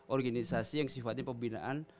organisasi yang sifatnya pembinaan